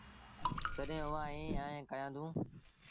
تڏهيݩٚ اُئآݩٚ ايٚئيٚنٚ ئيٚ ڪيآݩدوݩٚ